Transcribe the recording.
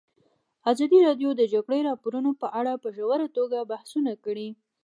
ازادي راډیو د د جګړې راپورونه په اړه په ژوره توګه بحثونه کړي.